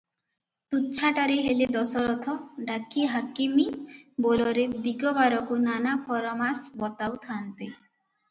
ତୁଚ୍ଛାଟାରେ ହେଲେ ଦଶରଥ ଡାକି ହାକିମି ବୋଲରେ ଦିଗବାରକୁ ନାନା ଫରମାସ ବତାଉ ଥାଆନ୍ତି;